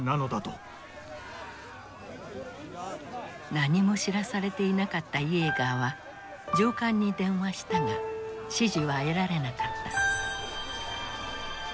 何も知らされていなかったイエーガーは上官に電話したが指示は得られなかった。